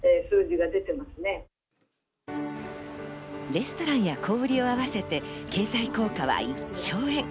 レストランや小売を合わせて経済効果は１兆円。